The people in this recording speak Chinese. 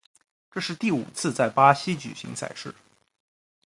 这是第五次在巴西举行赛事。